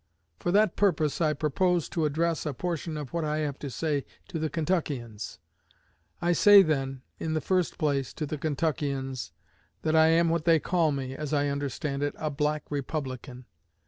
For that purpose I propose to address a portion of what I have to say to the Kentuckians. I say, then, in the first place, to the Kentuckians, that I am what they call, as I understand it, a 'Black Republican.'